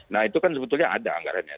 nah itu kan sebetulnya ada anggarannya